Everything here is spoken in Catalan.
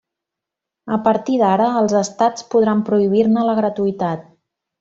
A partir d'ara els estats podran prohibir-ne la gratuïtat.